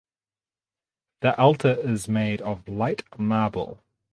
The altar is made of light marble.